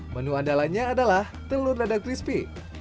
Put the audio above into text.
menu andalanya adalah telur dada crispy